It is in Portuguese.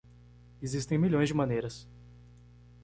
Existem milhões de maneiras.